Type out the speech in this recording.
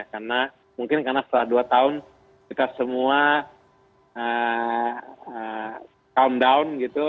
karena mungkin karena setelah dua tahun kita semua countdown gitu